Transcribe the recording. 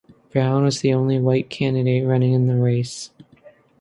Brown was the only white candidate running in the race.